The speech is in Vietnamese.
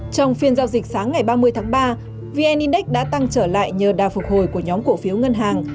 trong phiên giao dịch sáng ngày ba mươi tháng ba vn index đã tăng trở lại nhờ đà phục hồi của nhóm cổ phiếu ngân hàng